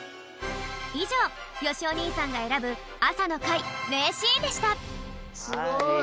いじょうよしお兄さんが選ぶ朝の会名シーンでしたすごい！